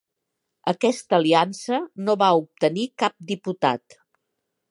Aquesta aliança no va obtenir cap diputat.